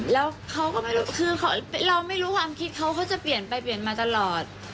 แล้วคือเราไม่รู้ความคิดเขาเขาจะเปลี่ยนไปเปลี่ยนมาตลอด